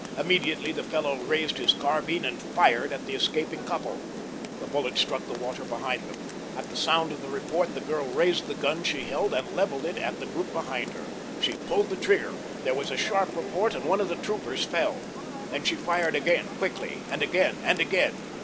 Immediately the fellow raised his carbine and fired at the escaping couple. The bullet struck the water behind them. At the sound of the report the girl raised the gun she held and leveled it at the group behind her. She pulled the trigger. There was a sharp report, and one of the troopers fell. Then she fired again, quickly, and again and again.